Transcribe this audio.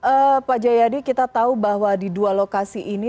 oke pak jayadi kita tahu bahwa di dua lokasi ini